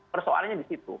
persoalannya di situ